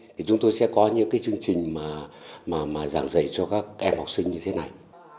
thì chúng tôi sẽ có những chương trình mà dạng dạy cho các em học sinh như thế này